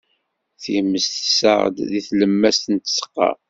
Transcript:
Times tessaɣ deg tlemmast n tzeqqa.